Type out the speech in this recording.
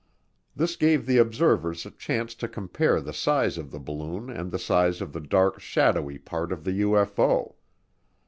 This gave the observers a chance to compare the size of the balloon and the size of the dark, shadowy part of the UFO.